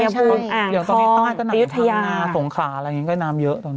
อย่างตอนนี้ใต้ก็หนังทั้งหนาสงขาอะไรอย่างงี้ก็น้ำเยอะตอนนี้